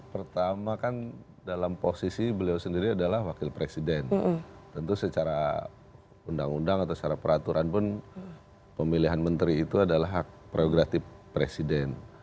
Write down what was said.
pertama kan dalam posisi beliau sendiri adalah wakil presiden tentu secara undang undang atau secara peraturan pun pemilihan menteri itu adalah hak prerogatif presiden